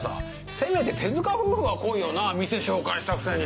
せめて手塚夫婦は来いよな店紹介したくせに。